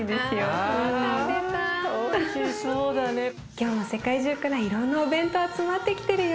今日も世界中からいろんなお弁当集まってきてるよ。